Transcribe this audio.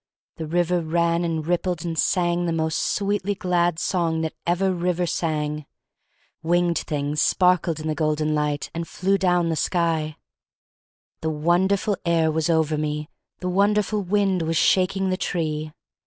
The river ran and rippled and sang the most sweetly glad song that ever river sang. Winged things sparkled in the gold light and flew down the sky. "The wonderful air was over me; the wonderful wind was shaking the tree."